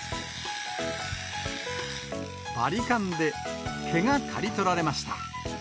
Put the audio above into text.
バリカンで毛が刈り取られました。